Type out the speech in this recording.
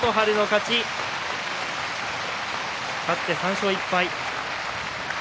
勝って３勝１敗。